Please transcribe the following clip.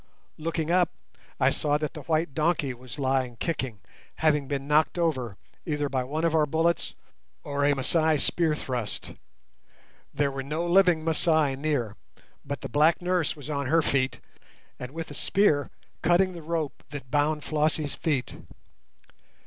Looking up, I saw that the white donkey was lying kicking, having been knocked over either by one of our bullets or a Masai spear thrust. There were no living Masai near, but the black nurse was on her feet and with a spear cutting the rope that bound Flossie's feet.